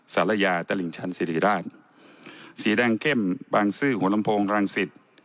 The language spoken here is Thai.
สารยาตลิ่งชันสิริราชสีแดงเข้มบางซื่อหัวลำโพงรังสิต